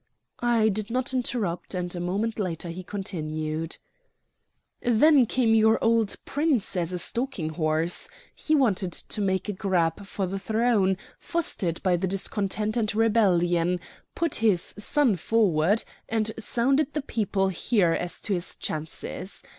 I did not interrupt, and a moment later he continued: "Then came your old Prince as a stalking horse. He wanted to make a grab for the throne, fostered the discontent and rebellion, put his son forward, and sounded the people here as to his chances.